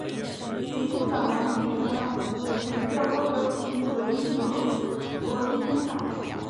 铃木岛男承继了过世的父亲所经营的螺钉工厂。